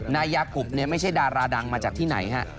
นายกุบไม่ใช่ดาราดังมาจากที่ไหนฮะ